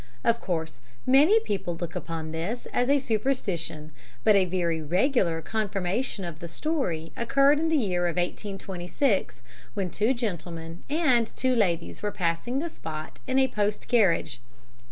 Of course, many people look upon this as a superstition; but a very regular confirmation of the story occurred in the year 1826, when two gentlemen and two ladies were passing the spot in a post carriage.